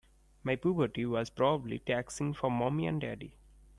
My puberty was probably taxing for mommy and daddy.